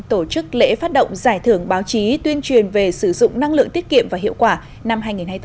tổ chức lễ phát động giải thưởng báo chí tuyên truyền về sử dụng năng lượng tiết kiệm và hiệu quả năm hai nghìn hai mươi bốn